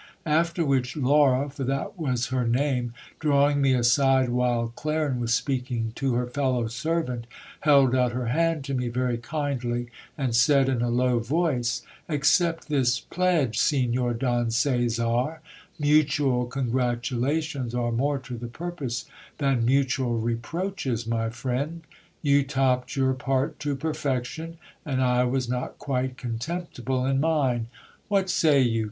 After which Laura, for that was her name, drawing me aside while Clarin was speaking to her fellow servant, held out her hand to me very kindly, and said in a low voice — Accept this pledge, Signor Don Caesar ; mutual congratulations are more to the purpose than mutual re proaches, my friend. You topped your part to perfection, and I was not quite contemptible in mine. What say you